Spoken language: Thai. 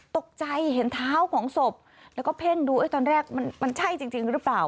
ตกใจเห็นเท้าของศพแล้วก็เพ่งดูตอนแรกมันใช่จริงหรือเปล่า